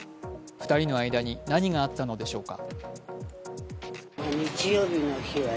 ２人の間に何があったのでしょうか